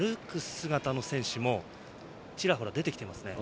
姿の選手もちらほら出てきていますね。